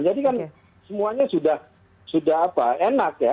jadi kan semuanya sudah enak ya